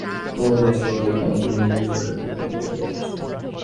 কুমুদ হাসে, বলে, কেন, তুমি নিজের চোখেই তো দেখে এসেছ।